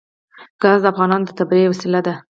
ګاز د افغانانو د تفریح یوه وسیله ده.